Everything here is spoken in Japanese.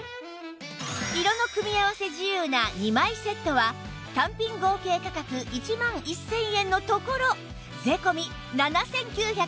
色の組み合わせ自由な２枚セットは単品合計価格１万１０００円のところ税込７９８０円